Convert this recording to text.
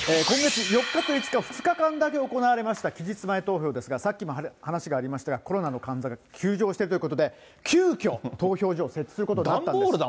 今月４日と５日、２日間だけ行われました期日前投票ですが、さっきも話がありましたが、コロナの患者が急増しているということで、急きょ、投票所を設置することになったんです。